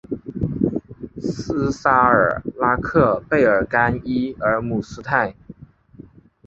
斯沙尔拉克贝尔甘伊尔姆斯泰。